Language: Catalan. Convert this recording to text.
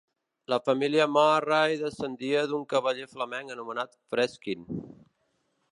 La família Murray descendia d'un cavaller flamenc anomenat Freskin.